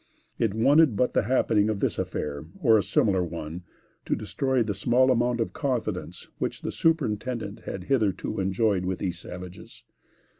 It wanted but the happening of this affair, or a similar one, to destroy the small amount of confidence which the superintendent had hitherto enjoyed with these savages.